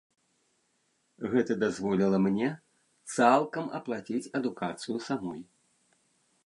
Гэта дазволіла мне цалкам аплаціць адукацыю самой.